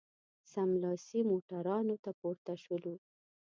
سملاسي موټرانو ته پورته شولو.